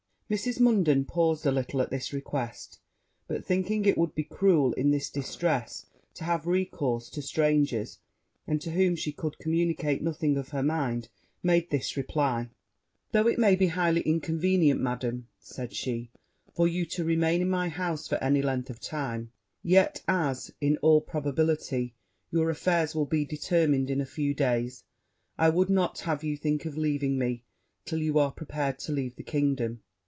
Mrs. Munden paused a little at this request; but, thinking it would be cruel in this distress to have recourse to strangers, and to whom she could communicate nothing of her mind, made this reply 'Though it would be highly inconvenient, Madam,' said she, 'for you to remain in my house for any length of time; yet as, in all probability, your affairs will be determined in a few days, I would not have you think of leaving me till you are prepared to leave the kingdom.